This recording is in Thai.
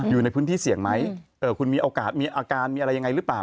อยู่ในพื้นที่เสี่ยงไหมคุณมีโอกาสมีอาการมีอะไรยังไงหรือเปล่า